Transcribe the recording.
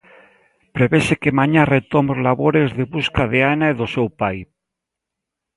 Prevese que mañá retome os labores de busca de Anna e do seu pai.